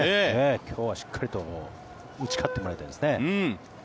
今日はしっかりと打ち勝ってもらいたいですね。